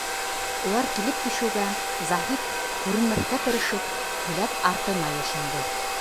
Улар килеп төшөүгә Заһит, күренмәҫкә тырышып, келәт артына йәшенде.